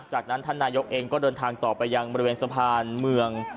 จากนั้นท่านนายกเองก็เดินทางต่อไปยังบริเวณสะพานเมือง